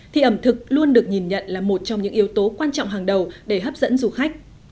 thì ẩm thực luôn được nhìn nhận là một trong những yếu tố quan trọng hàng đầu để hấp dẫn du khách